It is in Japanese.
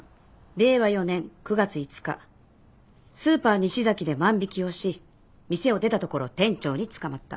令和４年９月５日スーパー西崎で万引をし店を出たところ店長に捕まった。